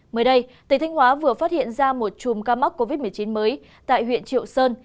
mới đây tỉnh thanh hóa vừa phát hiện ra một chùm ca mắc covid một mươi chín mới tại huyện triệu sơn